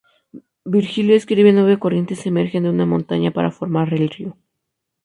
Virgilio escribe que nueve corrientes emergen de una montaña para formar el río.